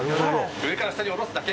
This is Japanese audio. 上から下に下ろすだけ。